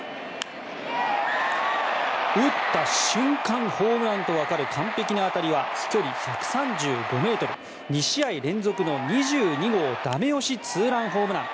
打った瞬間、ホームランと分かる完璧な当たりは、飛距離１３５ｍ２試合連続の２２号ダメ押しツーランホームラン。